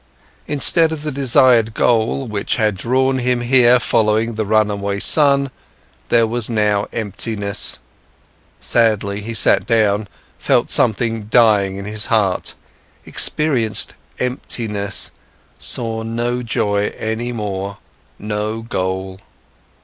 Instead of the desired goal, which had drawn him here following the run away son, there was now emptiness. Sadly, he sat down, felt something dying in his heart, experienced emptiness, saw no joy any more, no goal.